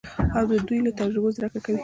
او د دوی له تجربو زده کړه کوي.